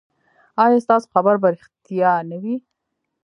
ایا ستاسو خبر به ریښتیا نه وي؟